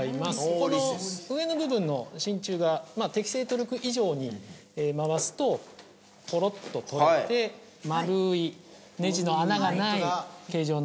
この上の部分の真鍮が適正トルク以上に回すとポロッと取れて丸いネジの穴がない形状の。